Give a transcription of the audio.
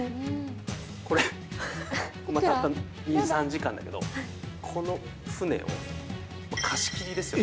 これ、たった２、３時間だけど、この船を貸し切りですよね。